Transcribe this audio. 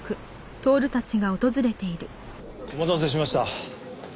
お待たせしました。